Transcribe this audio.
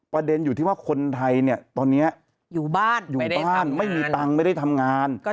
ประเด็นอยู่ที่ว่าคนไทยเนี่ยตอนนี้อยู่บ้านอยู่บ้านไม่มีตังค์ไม่ได้ทำงาน